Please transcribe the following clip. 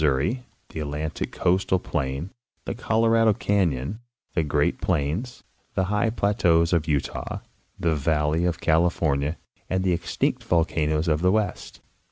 227 souri, the Atlantic coastal plain, the Colorado canyon, the Great Plains, the high plateaus of Utah, the valley of California, and the extinct volcanoes of the West.